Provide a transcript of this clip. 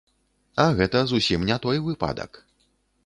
А гэта зусім не той выпадак.